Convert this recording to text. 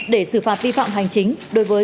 để xử phạt vi phạm hành chính đối với